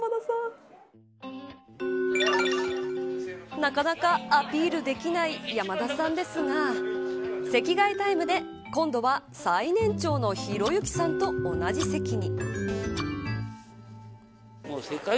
なかなかアピールできないヤマダさんですが席替えタイムで今度は、最年長のヒロユキさんと同じ席に。